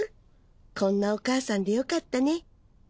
こんなお母さんでヨカッタね」。